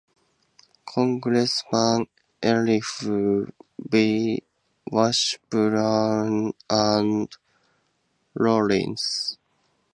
Congressman Elihu B. Washburne and Rawlins.